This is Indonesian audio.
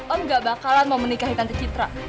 om gak bakalan mau menikahi tanpa citra